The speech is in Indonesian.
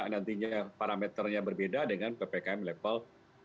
nantinya parameternya berbeda dengan ppkm level empat